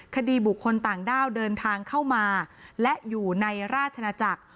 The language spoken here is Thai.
คดีบุคคลต่างด้าวเดินทางเข้ามาและอยู่ในราชนาจักร